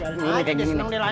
lalu nih kayak gini